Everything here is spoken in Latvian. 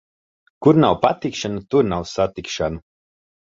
Kur nav patikšana, tur nav satikšana.